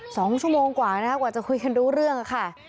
สองชั่วโมงกว่านะคะกว่าจะคุยกันรู้เรื่องค่ะ